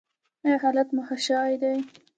ایا حالت مو ښه شوی دی؟